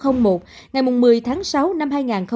ngày một mươi tháng sáu năm hai nghìn hai mươi